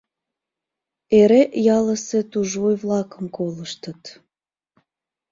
Эре ялысе тужвуй-влакым колыштыт.